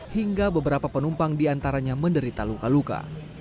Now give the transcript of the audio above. hingga beberapa penumpang diantaranya menderita luka luka